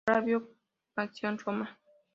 Flavio nació en Roma.